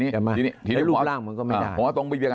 และลูกร่างมันก็ไม่ได้